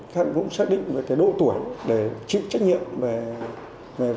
các nhà cũng xác định về cái độ tuổi để chịu trách nhiệm về pháp luật